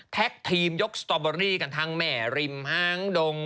ทีมยกสตอเบอรี่กันทั้งแม่ริมหางดง